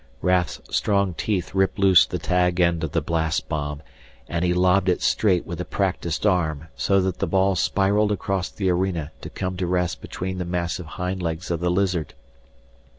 Raf's strong teeth ripped loose the tag end of the blast bomb, and he lobbed it straight with a practiced arm so that the ball spiraled across the arena to come to rest between the massive hind legs of the lizard.